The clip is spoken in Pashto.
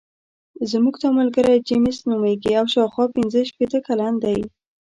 زموږ دا ملګری جیمز نومېږي او شاوخوا پنځه شپېته کلن دی.